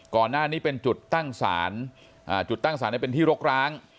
ก่อนหน้านี้เป็นจุดตั้งศาลจุดตั้งสารเป็นที่รกร้าง